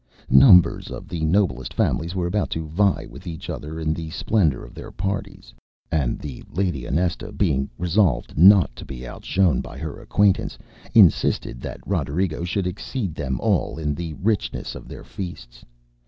Numbers of the noblest families were about to vie with each other in the splendour of their parties, and the Lady Onesta, being resolved not to be outshone by her acquaintance, insisted that Roderigo should exceed them all in the richness of their feasts.